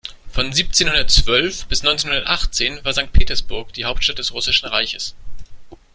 Von siebzehnhundertzwölf bis neunzehnhundertachtzehn war Sankt Petersburg die Hauptstadt des Russischen Reichs.